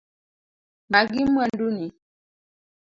Magi mwandu ni.